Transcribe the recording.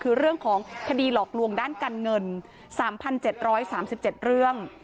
คือเรื่องของคดีหลอกลวงด้านการเงิน๓๗๓๗เรื่อง